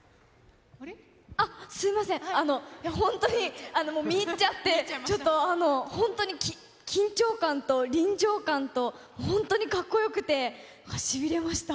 すみません、本当に見入っちゃって、ちょっと、本当に緊張感と、臨場感と、本当にかっこよくて、しびれました。